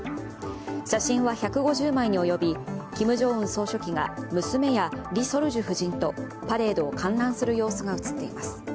写真は１５０枚に及びキム・ジョンウン総書記が娘やリ・ソルジュ夫人とパレードを観覧する様子が写っています。